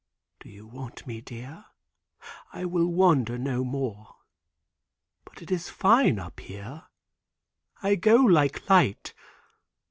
"Do you want me, dear? I will wander no more. But it is fine up here. I go like light.